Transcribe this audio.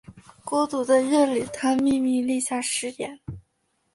孤独的夜里他秘密立下誓言